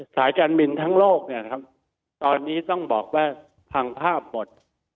สายการบินทั้งโลกตอนนี้ต้องบอกว่าพังภาพหมด